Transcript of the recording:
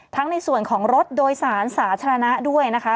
ในส่วนของรถโดยสารสาธารณะด้วยนะคะ